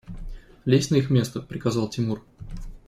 – Лезь на их место! – приказал Тимур.